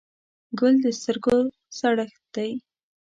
ګل د سترګو سړښت دی.